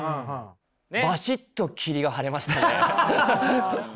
ばしっと霧が晴れましたね。